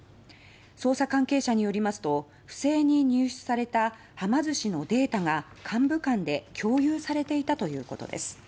捜査関係者によりますと不正に入手されたはま寿司のデータが幹部間で共有されていたということです。